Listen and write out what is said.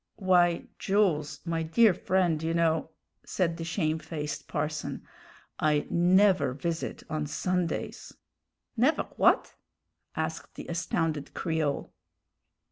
"Why, Jools, my dear friend, you know," said the shamefaced parson, "I never visit on Sundays." "Never w'at?" asked the astounded Creole.